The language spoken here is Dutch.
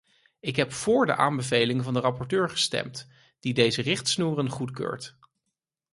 Ik heb vóór de aanbevelingen van de rapporteur gestemd, die deze richtsnoeren goedkeurt.